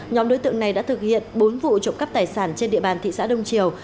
nhóm đối tượng này đã thực hiện bốn vụ trộm cắp tài sản trên địa bàn thị xã đông triều